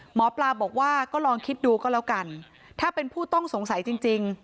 หมอปลาบอกว่าก็ลองคิดดูก็แล้วกันถ้าเป็นผู้ต้องสงสัยจริง